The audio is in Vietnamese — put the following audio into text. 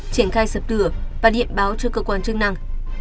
triển khai sập cửa và điện báo cho cơ quan chức năng